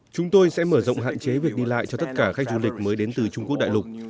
chúng tôi sẽ mở rộng hạn chế việc đi lại cho tất cả khách du lịch mới đến từ trung quốc đại lục